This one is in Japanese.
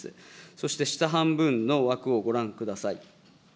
そして、下半分の枠をご覧ください。